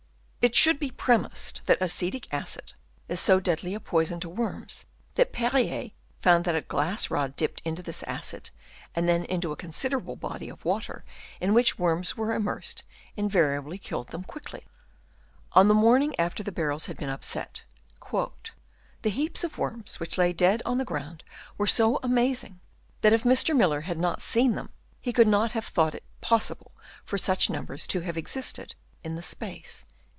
It should be premised that acetic acid is so deadly a poison to worms that Perrier found that a glass rod dipped into this acid and then into a considerable body of water in which worms were immersed, in variably killed them quickly. On the morn ing after the barrels had been upset, " the " heaps of worms which lay dead on the " ground were so amazing, that if Mr. Miller " had not seen them, he could not have 44 thought it possible for such numbers to " have existed in the space."